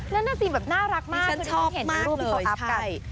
นั่นสินแบบน่ารักมากคุณต้องเห็นรูปที่เขาอัพกัน